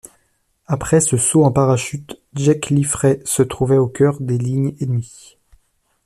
Après ce saut en parachute, Jack Ilfrey se trouvait au cœur des lignes ennemies.